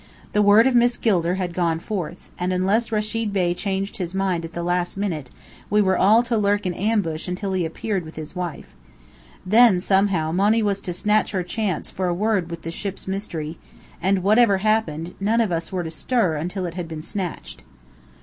The word of Miss Gilder had gone forth, and, unless Rechid Bey changed his mind at the last minute, we were all to lurk in ambush until he appeared with his wife. Then, somehow, Monny was to snatch her chance for a word with the Ship's Mystery; and whatever happened, none of us were to stir until it had been snatched.